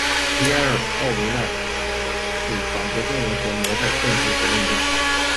皮埃尔·奥维奈是法国工人和毛派政治活动家。